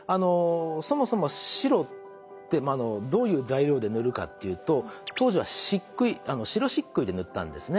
そもそも白ってどういう材料で塗るかっていうと当時は白漆喰で塗ったんですね。